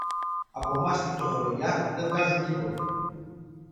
Από μας τη φτωχολογιά δε βγάζουν τίποτα.